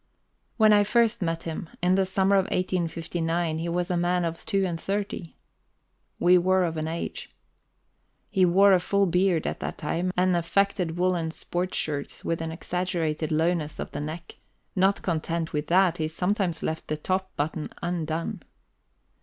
When I first met him, in the autumn of 1859, he was a man of two and thirty we were of an age. He wore a full beard at that time, and affected woolen sports shirts with an exaggerated lowness of neck; not content with that, he sometimes left the top button undone.